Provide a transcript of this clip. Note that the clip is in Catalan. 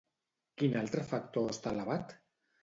Quin altre factor està elevat?